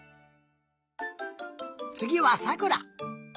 つぎはさくら。